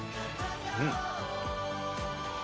うん！